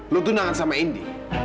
lo tunangan sama indi